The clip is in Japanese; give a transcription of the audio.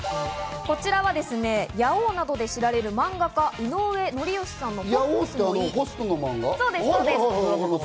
こちらは『夜王』などで知られる漫画家・井上紀良さんの。